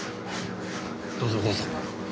どうぞどうぞ。